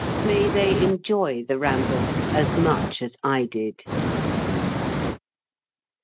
May they enjoy the ramble as much as I did